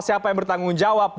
siapa yang bertanggung jawab